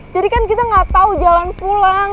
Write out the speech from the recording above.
jadi kan kita gak tahu jalan pulang